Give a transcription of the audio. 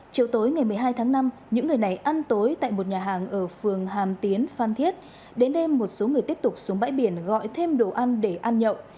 chiều tối ngày một mươi hai tháng năm những người này ăn tối tại một nhà hàng ở phường hàm tiến phan thiết đến đêm một số người tiếp tục xuống bãi biển gọi thêm đồ ăn để ăn nhậu